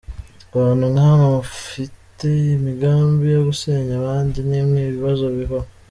Abantu nkamwe mufite imigambi yo gusenya abandi nimwe ibibazo bivaho.